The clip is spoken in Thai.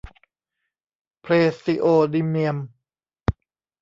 เพรซีโอดิเมียม